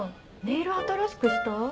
ネイル新しくした？